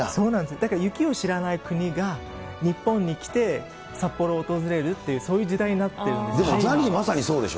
だから雪を知らない国が、日本に来て、札幌を訪れるっていう、そういう時代にでもザニー、まさにそうでしょ。